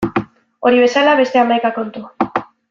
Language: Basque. Hori bezala beste hamaika kontu.